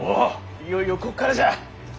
いよいよこっからじゃ。